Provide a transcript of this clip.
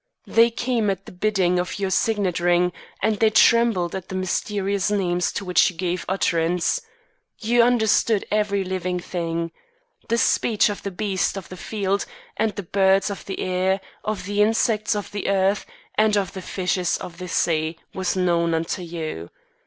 They came at the bidding of your signet ring, and they trembled at the mysterious names to which you gave utterance. You understood every living thing. The speech of the beasts of the field, of the birds of the air, of the insects of the earth, and of the fishes of the sea, was known unto you.